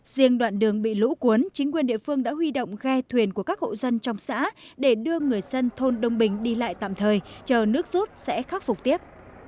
riêng đoạn đường bị lũ cuốn chính quyền địa phương đã huy động ghe thuyền của các hộ dân trong xã để đưa người dân thôn đông bình đi lại tạm thời chờ nước rút sẽ khắc phục tiếp